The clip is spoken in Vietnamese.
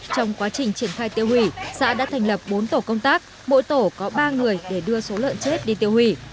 trong quá trình triển khai tiêu hủy xã đã thành lập bốn tổ công tác mỗi tổ có ba người để đưa số lợn chết đi tiêu hủy